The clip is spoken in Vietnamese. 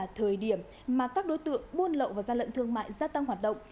là thời điểm mà các đối tượng buôn lậu vào gian lận thương mại gia tăng hoạt động